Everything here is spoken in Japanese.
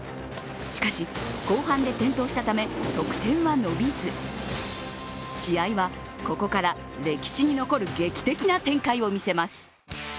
しかし、後半で転倒したため得点は伸びず試合はここから歴史に残る劇的な展開を見せます。